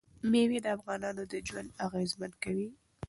مېوې د افغانانو ژوند اغېزمن کوي.